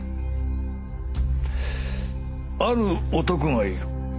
ある男がいる。